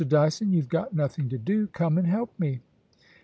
Dyson, youVe got nothing to do ; come and help me.